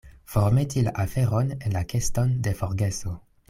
Formeti la aferon en la keston de forgeso.